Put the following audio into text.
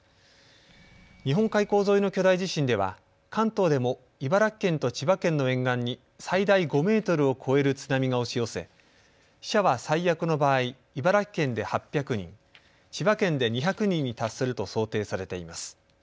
日本海溝沿いの巨大地震では関東でも茨城県と千葉県の沿岸に最大５メートルを超える津波が押し寄せ死者は最悪の場合、茨城県で８００人、千葉県で２００人に達すると想定されています。